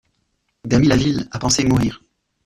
Damilaville a pensé mourir.